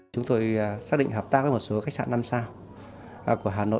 chúng tôi xác định hợp tác với một số khách sạn năm sao của hà nội